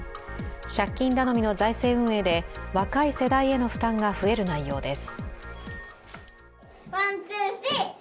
借金頼みの財政運営で若い世代への負担が増える内容です。